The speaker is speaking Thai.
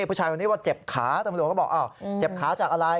ผู้ชายคนนี้ว่าเจ็บขาตำรวจก็บอกเจ็บขาจากอะไร